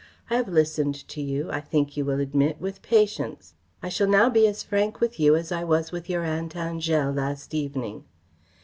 I have listened to you, I think you will admit, with patience. I shall now be as frank with you as I was with your Aunt Angèle last evening."